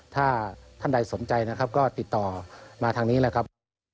ถ้าท่านใดสนใจนะครับก็ติดต่อมาทางนี้แหละครับ